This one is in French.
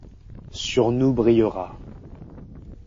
Sur nous brillera…